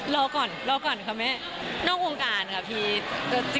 รอก่อนรอก่อนค่ะแม่นอกวงการค่ะพี่